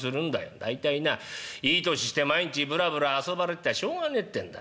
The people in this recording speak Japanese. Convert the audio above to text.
大体ないい年して毎日ブラブラ遊ばれてちゃしょうがねえってんだ。